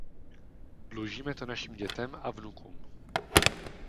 Dlužíme to našim dětem a vnukům.